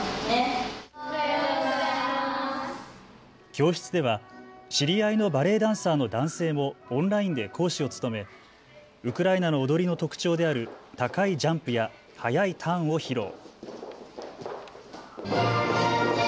教室では知り合いのバレエダンサーの男性もオンラインで講師を務めウクライナの踊りの特徴である高いジャンプや速いターンを披露。